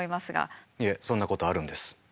いえそんなことあるんです。